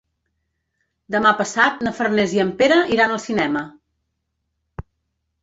Demà passat na Farners i en Pere iran al cinema.